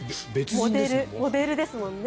モデルですもんね。